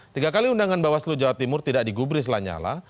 tiga kali undangan bawaslu jawa timur tidak digubris lanyala